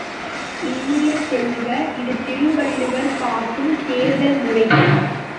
இனிய செல்வ, இது திருவள்ளுவர் காட்டும் தேர்தல் முறை.